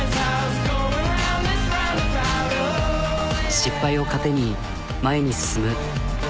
失敗を糧に前に進む。